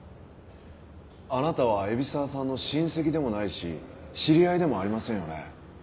あなたは海老沢さんの親戚でもないし知り合いでもありませんよね？